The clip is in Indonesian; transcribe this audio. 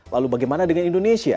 lalu bagaimana dengan indonesia